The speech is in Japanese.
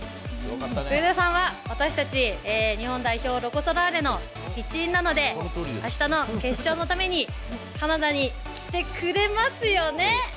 上田さんは私たち日本代表、ロコ・ソラーレの一員なので、あしたの決勝のために、カナダに来てくれますよね？